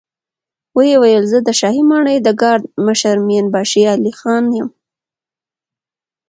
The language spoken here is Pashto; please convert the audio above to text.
ويې ويل: زه د شاهي ماڼۍ د ګارد مشر مين باشي علی خان يم.